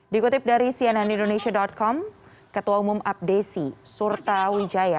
dikutip dari cnnindonesia com ketua umum apdesi surta wijaya